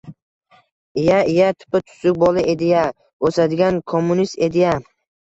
— Iya-iya... Tuppa-tuzuk bola edi-ya! O’sadigan kommunist edi-ya!